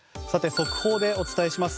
速報でお伝えします。